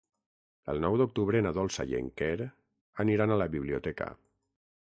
El nou d'octubre na Dolça i en Quer aniran a la biblioteca.